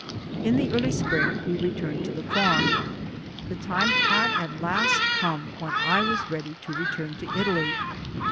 In the early spring we returned to the farm. The time had at last come when I was ready to return to Italy.